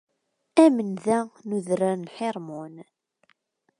Am nnda n udrar n Ḥirmun.